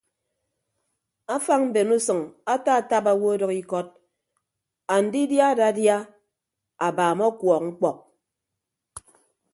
Afañ mben usʌñ atatap owo ọdʌk ikọt andidia adadia abaam ọkuọk ñkpọk.